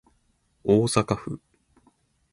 大阪府